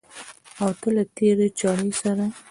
او ته له تېرې چړې سره